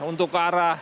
untuk ke arah